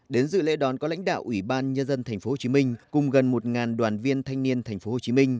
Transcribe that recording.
đến dự lễ đón có lãnh đạo ủy ban nhân dân tp hcm cùng gần một đoàn viên thanh niên tp hcm